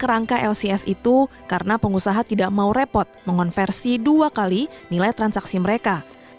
kerangka lcs itu karena pengusaha tidak mau repot mengonversi dua kali nilai transaksi mereka